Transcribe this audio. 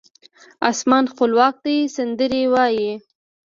اسمان خپلواک دی سندرې وایې